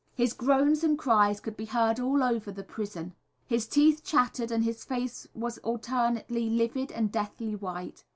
His groans and cries could be heard all over the prison. His teeth chattered, and his face was alternately livid and deathly white.